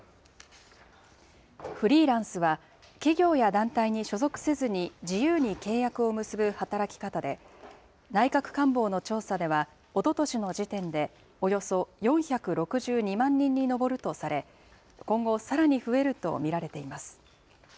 フリーランスは、企業や団体に所属せずに、自由に契約を結ぶ働き方で、内閣官房の調査では、おととしの時点でおよそ４６２万人に上るとされ、今後、さらに増えると見られています。